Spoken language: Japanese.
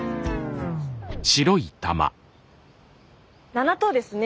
７等ですね。